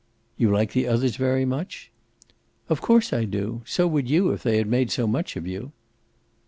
"You like the others very much?" "Of course I do. So would you if they had made so much of you."